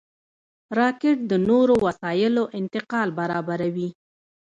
راکټ د نورو وسایلو انتقال برابروي